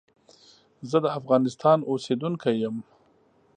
زه دافغانستان اوسیدونکی یم.